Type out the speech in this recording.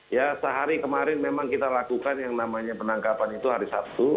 ya sehari kemarin memang kita lakukan yang namanya penangkapan itu hari sabtu